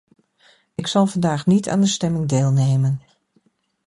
Ik zal vandaag niet aan de stemming deelnemen.